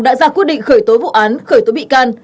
đã ra quyết định khởi tối vụ án khởi tối bị can